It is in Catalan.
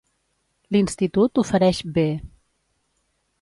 L'institut ofereix B.